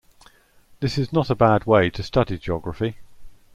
This is not a bad way to study geography.